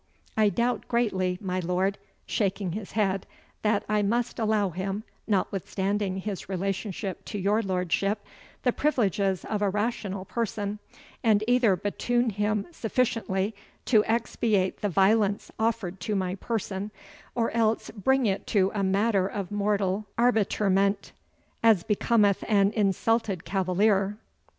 I doubt greatly, my lord" (shaking his head), "that I must allow him, notwithstanding his relationship to your lordship, the privileges of a rational person, and either batoon him sufficiently to expiate the violence offered to my person, or else bring it to a matter of mortal arbitrement, as becometh an insulted cavalier."